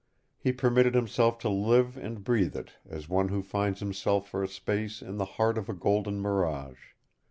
He permitted himself to live and breathe it as one who finds himself for a space in the heart of a golden mirage.